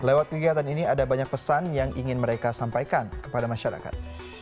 lewat kegiatan ini ada banyak pesan yang ingin mereka sampaikan kepada masyarakat